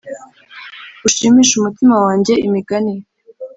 Ushimishe umutima wanjye imigani